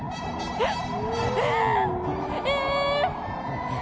えっ？